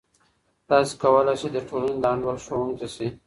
تاسې کولای سئ د ټولنې د انډول ښوونکی سئ.